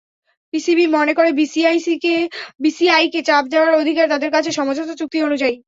PCB মনে করে, বিসিসিআইকে চাপ দেওয়ার অধিকার তাদের আছে সমঝোতা চুক্তি অনুযায়ী।